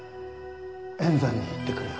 塩山に行ってくるよ。